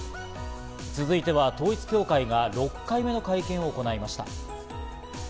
続いては統一教会が６回目の会見を行いました。